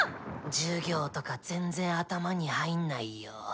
授業とか全然頭に入んないよ。